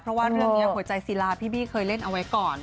เพราะว่าเรื่องนี้หัวใจศิลาพี่บี้เคยเล่นเอาไว้ก่อน